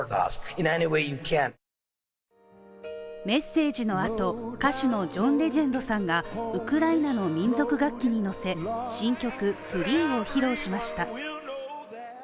メッセージのあと歌手のジョン・レジェンドさんがウクライナの民族楽器にのせ、新曲「Ｆｒｅｅ」を披露しました。